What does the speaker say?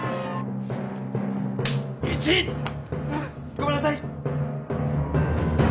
ごめんなさい！